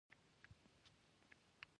نورې لارې چې پانګوال معمولاً ورڅخه ګټه اخلي